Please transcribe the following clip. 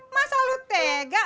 masa lu tega